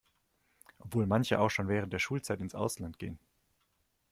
Obwohl manche auch schon während der Schulzeit ins Ausland gehen.